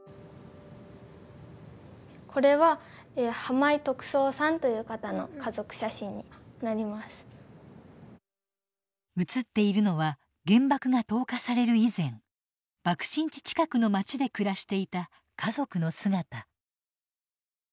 これは写っているのは原爆が投下される以前爆心地近くの町で暮らしていた家族の姿。